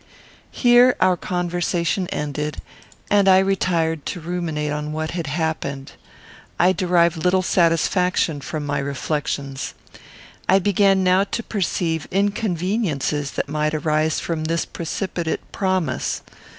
Here our conversation ended, and I retired to ruminate on what had passed. I derived little satisfaction from my reflections. I began now to perceive inconveniences that might arise from this precipitate promise.